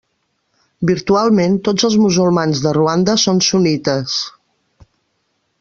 Virtualment tots els musulmans de Ruanda són sunnites.